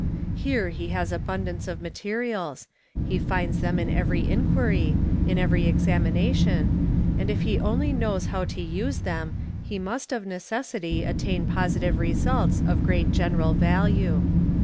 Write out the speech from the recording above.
' Lei e he has abundance of materials, he finds them in every enquiry, in "@yery examination, and if he only knows how to use them he must of cessity attain positive results of great general value.